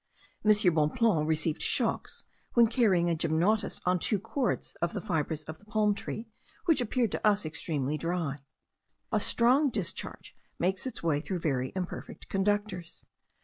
M. Bonpland received shocks, when carrying a gymnotus on two cords of the fibres of the palm tree, which appeared to us extremely dry. A strong discharge makes its way through very imperfect conductors.